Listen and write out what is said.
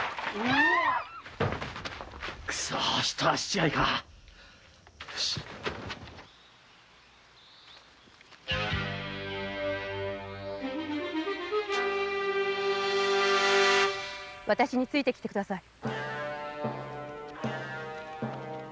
わたしについてきてください。